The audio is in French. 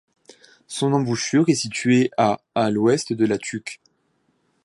Son embouchure est située à à l'ouest de La Tuque.